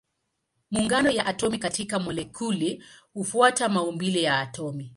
Maungano ya atomi katika molekuli hufuata maumbile ya atomi.